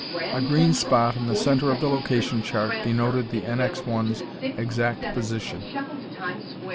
A green spot in the center of the location chart denoted the NX 1's exact position.